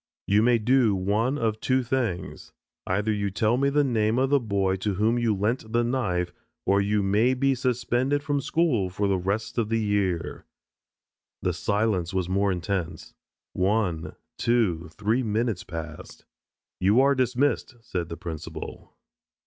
"You may do one of two things, either you will tell the name of the boy to whom you lent the knife or you may be suspended from school for the rest of the year." The silence was more intense. One, two, three minutes passed. "You are dismissed," said the principal.